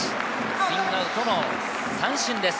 スイングアウトの三振です。